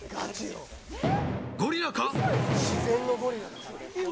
ゴリラか？